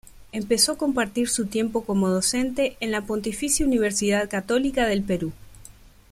Empezó a compartir su tiempo como docente en la Pontificia Universidad Católica del Perú.